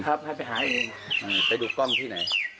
ไปดูกล้องที่ไหน